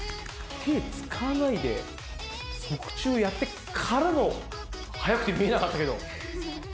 手をつかないで、側宙やってからの速くて見えなかったけど。